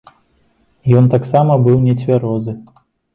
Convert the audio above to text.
Ён таксама быў нецвярозы.